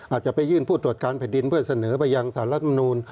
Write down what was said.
อาจจะไปยื่นผู้ตรวจการแผ่นดินเพื่อเสนอไปยังสารรัฐมนูล